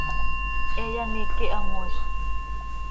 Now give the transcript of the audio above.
He yaniiqui hamoizct.